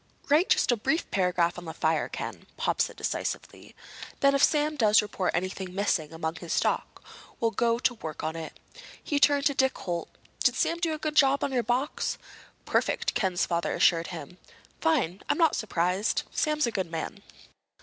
"Write just a brief paragraph on the fire, Ken," Pop said decisively. "Then, if Sam does report anything missing among his stock, we'll go to work on it." He turned to Dick Holt. "Did Sam do a good job on your box?" "Perfect," Ken's father assured him. "Fine. I'm not surprised. Sam's a good man."